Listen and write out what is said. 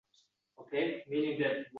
tortiq qilmay, yalmogʼizday yamlamay yutdi.